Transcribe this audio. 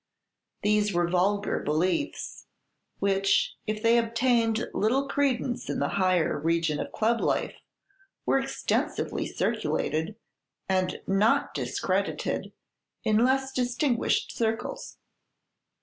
These were vulgar beliefs, which, if they obtained little credence in the higher region of club life, were extensively circulated, and not discredited, in less distinguished circles.